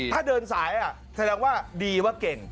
ถ้าเดินสายแสดงว่าดีว่าเก่ง